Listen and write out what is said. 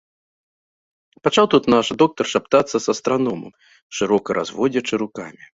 Пачаў тут наш доктар шаптацца з астраномам, шырока разводзячы рукамі.